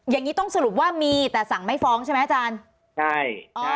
อย่างนี้ต้องสรุปว่ามีแต่สั่งไม่ฟ้องใช่ไหมอาจารย์ใช่